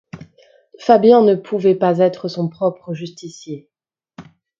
Fabian ne pouvait pas être son propre justicier.